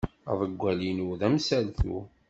Aḍewwal-inu d amsaltu.